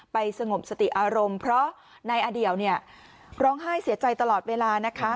สงบสติอารมณ์เพราะนายอเดี่ยวเนี่ยร้องไห้เสียใจตลอดเวลานะคะ